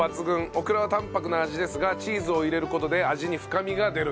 オクラは淡泊な味ですがチーズを入れる事で味に深みが出ると。